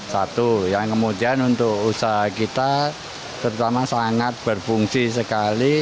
satu yang kemudian untuk usaha kita terutama sangat berfungsi sekali